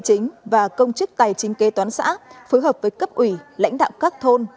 chính và công chức tài chính kế toán xã phối hợp với cấp ủy lãnh đạo các thôn